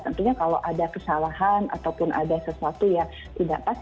tentunya kalau ada kesalahan ataupun ada sesuatu yang tidak pas